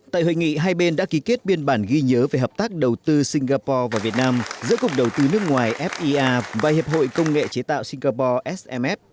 tại hội nghị hai bên đã ký kết biên bản ghi nhớ về hợp tác đầu tư singapore và việt nam giữa cục đầu tư nước ngoài fia và hiệp hội công nghệ chế tạo singapore smf